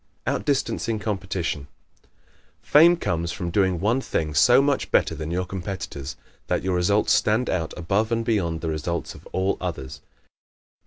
Outdistancing Competition ¶ Fame comes from doing one thing so much better than your competitors that your results stand out above and beyond the results of all others.